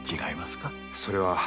それは。